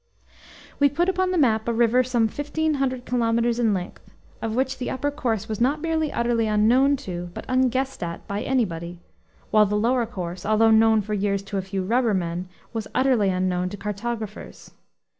We put upon the map a river some fifteen hundred kilometres in length, of which the upper course was not merely utterly unknown to, but unguessed at by, anybody; while the lower course, although known for years to a few rubbermen, was utterly unknown to cartographers.